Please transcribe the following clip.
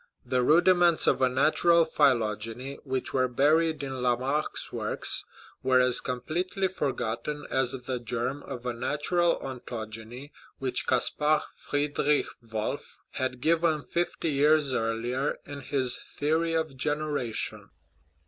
The rudi ments of a natural phylogeny which were buried in Lamarck's works were as completely forgotten as the germ of a natural ontogeny which Caspar Friedrich 7 77 THE RIDDLE OF THE UNIVERSE Wolff had given fifty years earlier in his Theory of Generation.